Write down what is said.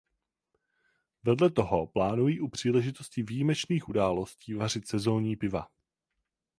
Vedle toho plánují u příležitosti výjimečných událostí vařit sezónní piva.